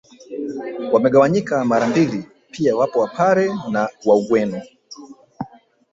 Wamegawanyika mara mbili pia wapo Wapare wa Ugweno